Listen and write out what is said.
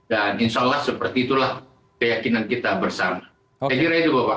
dan insya allah seperti itulah keyakinan kita bersama